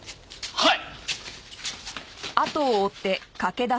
はい！